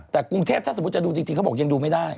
แต่กรุงเทพถ้าสมมุติจะดูจริงเขาบอกยังดูไม่ได้